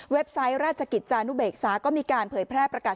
ไซต์ราชกิจจานุเบกษาก็มีการเผยแพร่ประกาศ